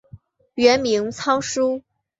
原名昌枢。